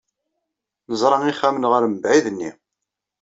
Neẓra ixxamen ɣer mebɛid-nni.